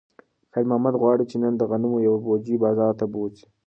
خیر محمد غواړي چې نن د غنمو یوه بوجۍ بازار ته بوځي.